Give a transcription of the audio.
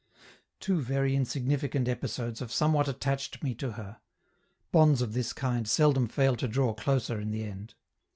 Two very insignificant episodes have somewhat attached me to her (bonds of this kind seldom fail to draw closer in the end).